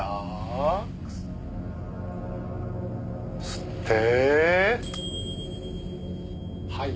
吸って。